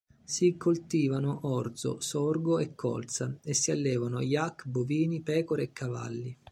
Si coltivano orzo, sorgo e colza e si allevano yak, bovini, pecore e cavalli.